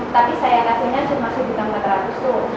tapi saya kasihnya cuma sebutan empat ratus rupiah